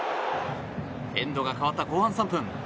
エンドがかわった後半３分。